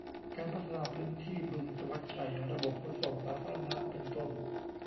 การพัฒนาพื้นที่บึงธวัชชัย ระบบขนส่งสาธารณะ เป็นต้น